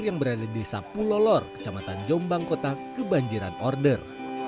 yang berada di desa pulolor kecamatan jombang kota kebanjiran order